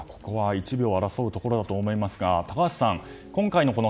１秒を争うところかと思いますが高橋さん